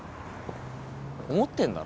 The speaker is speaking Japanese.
思ってんだろ？